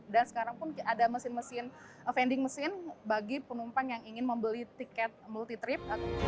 dan sekarang pun ada vending mesin bagi penumpang yang ingin membeli tiket multi trip